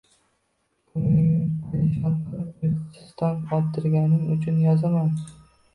Ko’nglingni parishon qilib, uyqusiz tong ottirganing uchun yozaman…